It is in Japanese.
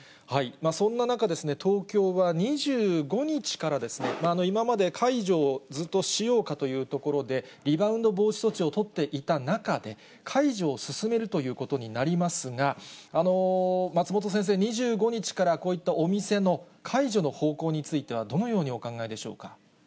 そんな中、東京は２５日から、今まで解除をずっとしようかというところで、リバウンド防止措置を取っていた中で、解除を進めるということになりますが、松本先生、２５日からこういったお店の解除の方向については、どのようにお考えでしょうか。